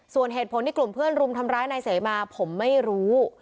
ส่วนเหตุผลที่กลุ่มเพื่อนรุมทำร้ายนายเสมาผมไม่รู้